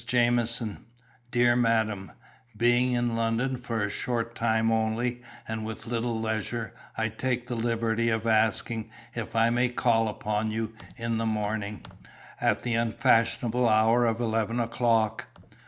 JAMIESON. "DEAR MADAM, Being in London for a short time only, and with little leisure, I take the liberty of asking if I may call upon you in the morning, at the unfashionable hour of eleven o'clock?